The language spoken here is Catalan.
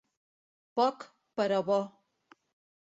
Poc, però bo.